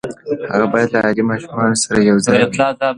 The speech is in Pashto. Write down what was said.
هغه بايد له عادي ماشومانو سره يو ځای وي.